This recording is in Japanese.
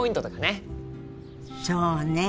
そうね。